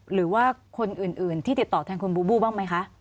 หรือว่าคนอื่นที่ติดต่อแทนคุณบูบูบ้างไหมคะ